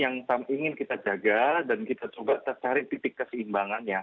tiga hal ini yang ingin kita jaga dan kita juga cari titik keseimbangannya